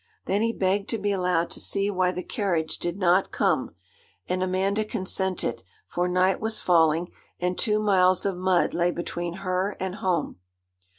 Then he begged to be allowed to see why the carriage did not come, and Amanda consented, for night was falling, and two miles of mud lay between her and home.